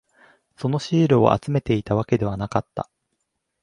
そのシールを集めていたわけではなかった。